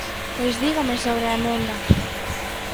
Pois dígame sobre a emenda.